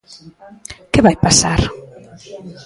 Que vai pasar?